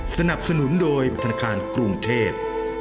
สนับสนุนโดยธนาคารกรุงเทพ